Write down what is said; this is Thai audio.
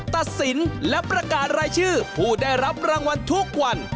ตัดสินและประกาศรายชื่อผู้ได้รับรางวัลทุกวัน